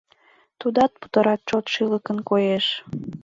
Тудат путырак чот шӱлыкын коеш.